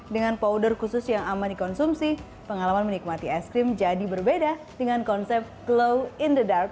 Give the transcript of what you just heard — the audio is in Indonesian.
dengan powder khusus yang aman dikonsumsi pengalaman menikmati es krim jadi berbeda dengan konsep glow in the dark